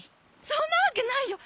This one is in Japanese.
そんなわけないよ！